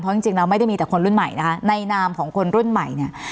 เพราะจริงแล้วไม่ได้มีแต่คนรุ่นใหม่นะคะในนามของคนรุ่นใหม่เนี่ย